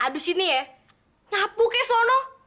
aduh sini ya nyapu kek sono